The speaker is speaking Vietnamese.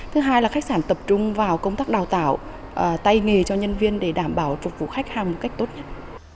thứ hai là khách sạn tập trung vào công tác đào tạo tay nghề cho nhân viên để đảm bảo phục vụ khách hàng một cách tốt nhất